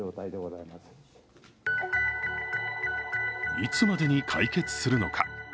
いつまでに解決するのか。